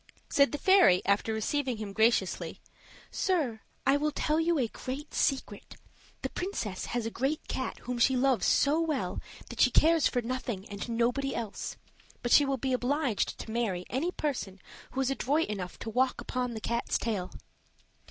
Said the fairy, after receiving him graciously: "Sir, I will tell you a great secret. The princess has a great cat whom she loves so well that she cares for nothing and nobody else; but she will be obliged to marry any person who is adroit enough to walk upon the cat's tail."